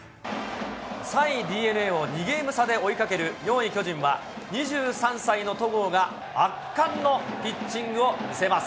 ３位ＤｅＮＡを２ゲーム差で追いかける４位巨人は、２３歳の戸郷が圧巻のピッチングを見せます。